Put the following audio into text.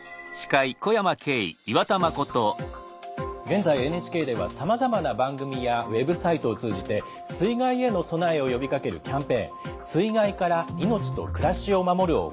現在ＮＨＫではさまざまな番組やウェブサイトを通じて水害への備えを呼びかけるキャンペーン「水害から命と暮らしを守る」を行っています。